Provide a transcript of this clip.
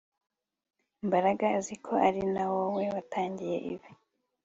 Mbaraga azi ko ari wowe watangiye ibi